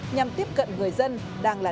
nhằm tiếp cận người dân đang là